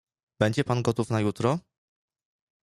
"Będzie pan gotów na jutro?"